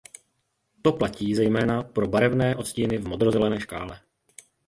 To platí zejména pro barevné odstíny v modrozelené škále.